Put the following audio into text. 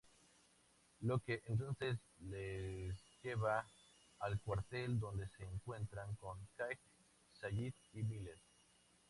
Locke entonces les lleva al cuartel, donde se encuentran con Kate, Sayid, y Miles.